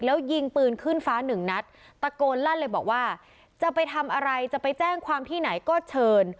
แล้วยิงปืนขึ้นฟ้าหนึ่งนัดตะโกนลั่นเลยบอกว่าจะไปทำอะไรจะไปแจ้งความที่ไหนก็เชิญ